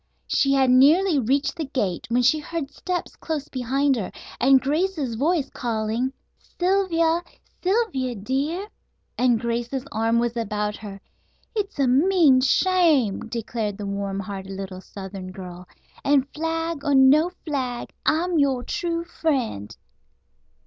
She had nearly reached the gate when she heard steps close behind her and Grace's voice calling: "Sylvia, Sylvia, dear," and Grace's arm was about her. "It's a mean shame," declared the warm hearted little southern girl, "and flag or no flag, I'm your true friend."